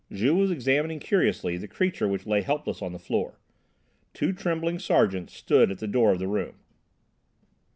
Juve was examining curiously the creature which lay helpless on the floor. Two trembling sergeants stood at the door of the room.